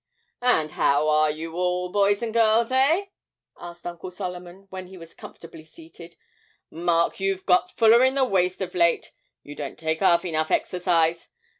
'And how are you all, boys and girls, eh?' asked Uncle Solomon, when he was comfortably seated; 'Mark, you've got fuller in the waist of late; you don't take 'alf enough exercise.